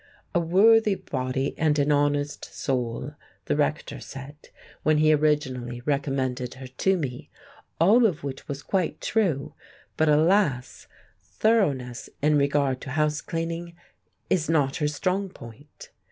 "A worthy body and an honest soul," the Rector said, when he originally recommended her to me, all of which was quite true; but, alas, thoroughness in regard to house cleaning is not her strong point.